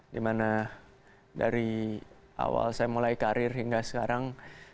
dimana dari awal saya mulai karir hingga sekarang